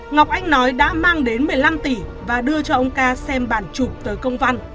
ngọc anh nói đã mang đến một mươi năm tỷ và đưa cho ông ca xem bản chụp tới công văn